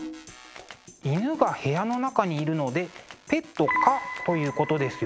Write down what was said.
犬が部屋の中にいるのでペット可ということですよね。